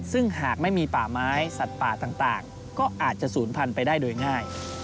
ซึ่งหากไม่มีป่าไม้สัตว์ป่าต่างก็อาจจะศูนย์พันธุ์ไปได้โดยง่าย